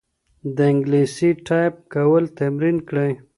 د انګلیسي ټایپ کول تمرین کړئ.